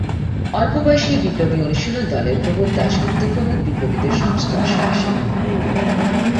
অল্প বয়সেই বিপ্লবী অনুশীলন দলের প্রবোধ দাশগুপ্ত প্রমুখ বিপ্লবীদের সংস্পর্শে আসেন।